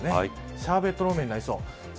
シャーベット路面になりそうです。